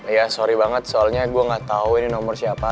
ya sorry banget soalnya gue gak tau ini nomor siapa